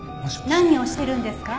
何をしてるんですか？